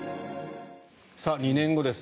２年後です。